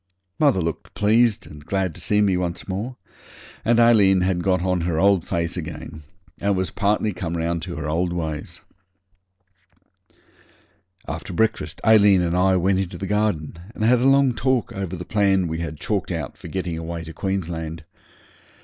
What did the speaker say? Mother looked pleased and glad to see me once more, and Aileen had got on her old face again, and was partly come round to her old ways. After breakfast Aileen and I went into the garden and had a long talk over the plan we had chalked out for getting away to Queensland.